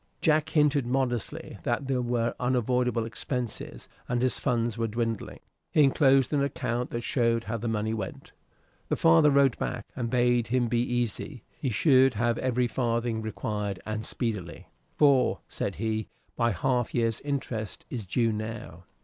Jack hinted modestly that there were unavoidable expenses, and his funds were dwindling. He enclosed an account that showed how the money went. The father wrote back and bade him be easy; he should have every farthing required, and speedily. "For," said he, "my half year's interest is due now."